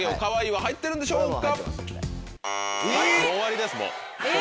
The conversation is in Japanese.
終わりですもう。